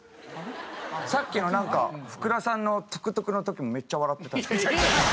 さっきのなんか福田さんのトゥクトゥクの時もめっちゃ笑ってたんで。